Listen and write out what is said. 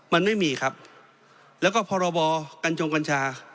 มันไม่มีครับแล้วก็พรบกัญจงกัญชา